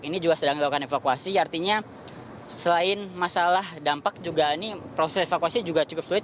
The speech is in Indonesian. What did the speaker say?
ini juga sedang dilakukan evakuasi artinya selain masalah dampak juga ini proses evakuasi juga cukup sulit